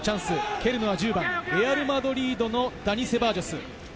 蹴るのは１０番、レアル・マドリードのセバジョス。